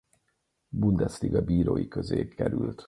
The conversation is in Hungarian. Bundesliga bírói közé került.